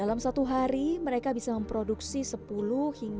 dalam satu hari mereka bisa memproduksi sepuluh hingga lima belas potong kain